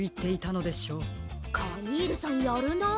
カニールさんやるな。